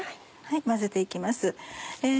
混ぜて行きます。